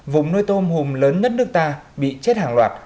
vùng nuôi tôm hùm lớn nhất nước ta bị chết hàng loạt